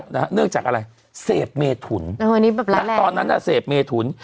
เงื่อจากอะไรเสพเมฑุร์ตอนนั้นเสพเมฑุร์